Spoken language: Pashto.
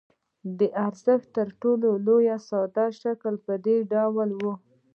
د ارزښت تر ټولو ساده شکل په دې ډول وو